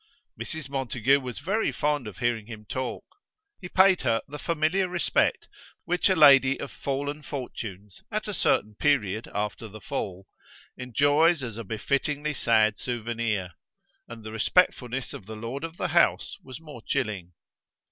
Mrs. Montague was very fond of hearing him talk: he paid her the familiar respect which a lady of fallen fortunes, at a certain period after the fall, enjoys as a befittingly sad souvenir, and the respectfulness of the lord of the house was more chilling.